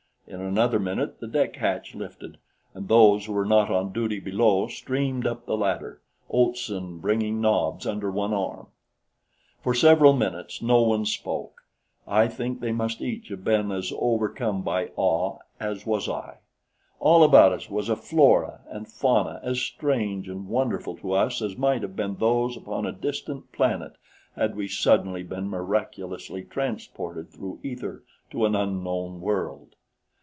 In another minute the deck hatch lifted, and those who were not on duty below streamed up the ladder, Olson bringing Nobs under one arm. For several minutes no one spoke; I think they must each have been as overcome by awe as was I. All about us was a flora and fauna as strange and wonderful to us as might have been those upon a distant planet had we suddenly been miraculously transported through ether to an unknown world.